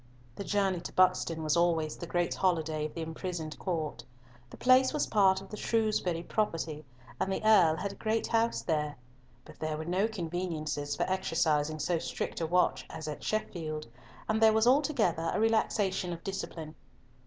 The journey to Buxton was always the great holiday of the imprisoned Court. The place was part of the Shrewsbury property, and the Earl had a great house there, but there were no conveniences for exercising so strict a watch as at Sheffield, and there was altogether a relaxation of discipline.